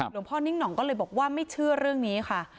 พ่อนิ่งห่องก็เลยบอกว่าไม่เชื่อเรื่องนี้ค่ะ